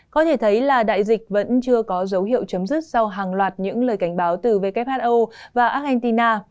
có thể thấy là đại dịch vẫn chưa có dấu hiệu chấm dứt sau hàng loạt những lời cảnh báo từ who và argentina